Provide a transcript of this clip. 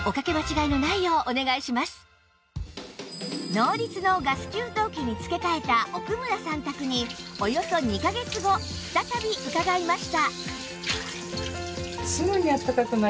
ノーリツのガス給湯器に付け替えた奥村さん宅におよそ２カ月後再び伺いました